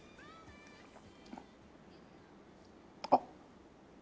あっ。